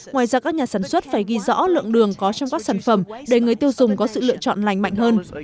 ngoài ra các nhà sản xuất phải ghi rõ lượng đường có trong các sản phẩm để người tiêu dùng có sự lựa chọn lành mạnh hơn